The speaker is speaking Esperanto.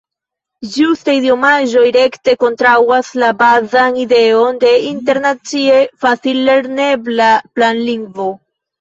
Ĝuste idiomaĵoj rekte kontraŭas la bazan ideon de internacie facil-lernebla planlingvo.